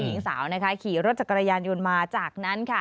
หญิงสาวนะคะขี่รถจักรยานยนต์มาจากนั้นค่ะ